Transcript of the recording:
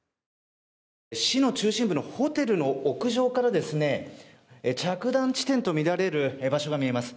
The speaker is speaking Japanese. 市の中心部のホテルの屋上から着弾地点とみられる場所が見えます。